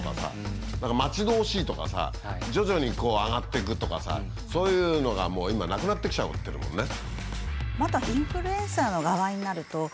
何か待ち遠しいとかさ徐々に上がっていくとかさそういうのがもう今なくなってきちゃってるもんね。